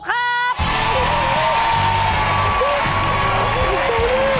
โดราเอมอน